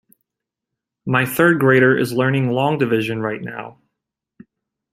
My third grader is learning long division right now.